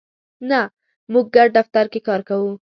نه، موږ ګډ دفتر کی کار کوو